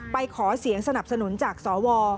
ไปขอเสียงสนับสนุนจากสว